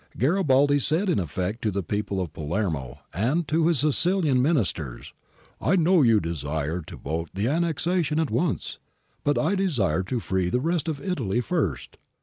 ^ Garibaldi said in effect to the people of Palermo and to his Sicilian ministers :* I know you desire to vote the annexation at once, but I desire to free the rest of Italy first.